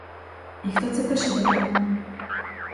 І хто це пише до мене?